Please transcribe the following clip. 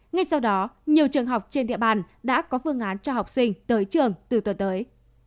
ngay sau đó nhiều trường học trên địa bàn đã có phương án cho học sinh tới trường từ tuần tới